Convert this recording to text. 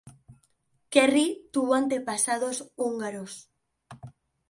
Kerry tuvo antepasados húngaros.